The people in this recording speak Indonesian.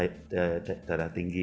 ada kemurbitan darah tinggi ya